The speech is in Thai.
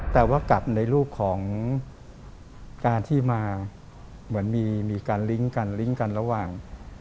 แต่ว่ากลับในรูปของการที่มาเหมือนมีการลิงก์กันลิงก์กันระหว่าง